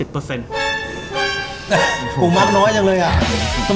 ผมมักน้อยจังเลยอ่ะ